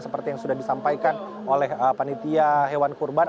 seperti yang sudah disampaikan oleh panitia hewan kurban